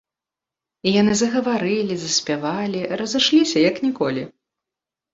І яны загаварылі, заспявалі, разышліся, як ніколі.